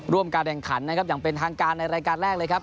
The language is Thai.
การแข่งขันนะครับอย่างเป็นทางการในรายการแรกเลยครับ